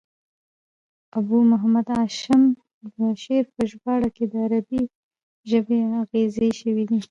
ابو محمد هاشم د شعر په ژباړه کښي د عربي ژبي اغېزې سوي دي.